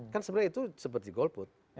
kan sebenarnya itu seperti golput